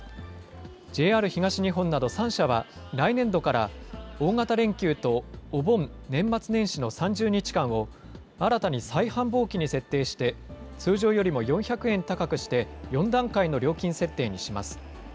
ＪＲ東日本など３社は来年度から大型連休とお盆・年末年始の３０日間を新たに最繁忙期に設定して、通常よりも４００円高くして、４段階の料金設定にします。